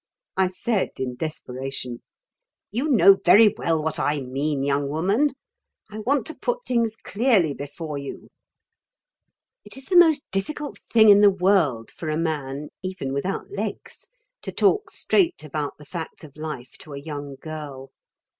I said in desperation: "You know very well what I mean, young woman. I want to put things clearly before you " It is the most difficult thing in the world for a man even without legs to talk straight about the facts of life to a young girl.